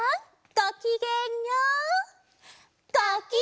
ごきげんよう！